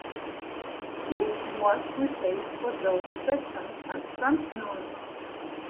He was replaced for those sessions by Frank Noon.